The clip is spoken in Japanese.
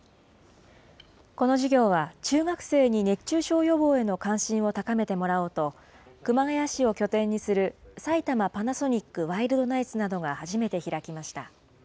この授業は、中学生に熱中症予防への関心を高めてもらおうと、熊谷市を拠点にする、埼玉パナソニックワイルドナイツなどが初めて開きました。